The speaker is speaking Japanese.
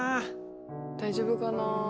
大丈夫かな？